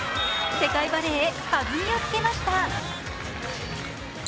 世界バレーへ、弾みをつけました。